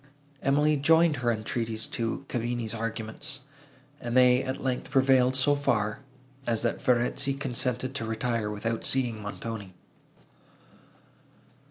Emily joined her entreaties to Cavigni's arguments, and they, at length, prevailed so far, as that Verezzi consented to retire, without seeing Montoni.